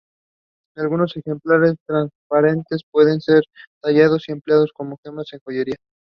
Lyakhlya is the nearest rural locality.